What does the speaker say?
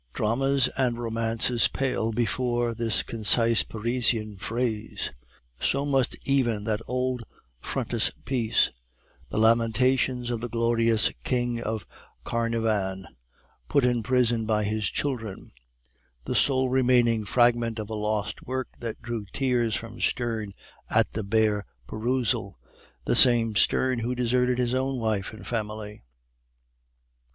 Dramas and romances pale before this concise Parisian phrase; so must even that old frontispiece, The Lamentations of the glorious king of Kaernavan, put in prison by his children, the sole remaining fragment of a lost work that drew tears from Sterne at the bare perusal the same Sterne who deserted his own wife and family.